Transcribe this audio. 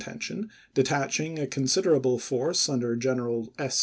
tention detaching a considerable force under General S.